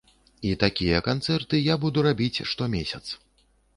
І такія канцэрты я буду рабіць штомесяц.